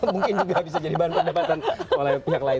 mungkin juga bisa jadi bahan perdebatan oleh pihak lain